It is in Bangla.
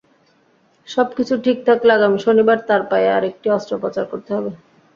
সবকিছু ঠিক থাকলে আগামী শনিবার তাঁর পায়ে আরেকটি অস্ত্রোপচার হতে পারে।